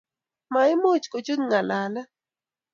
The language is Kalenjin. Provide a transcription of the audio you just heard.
Maimuch kochut ngalalet